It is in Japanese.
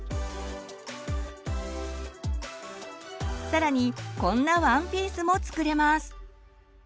更にこんなワンピースも作れます。